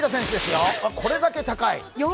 これだけ高い。